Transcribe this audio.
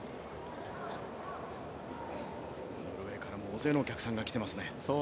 ノルウェーからも大勢のお客さんが来ていますね。